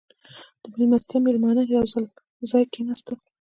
• د میلمستیا مېلمانه یو ځای کښېناستل.